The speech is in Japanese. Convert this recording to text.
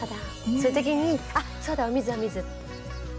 そういう時に「あっそうだお水お水」。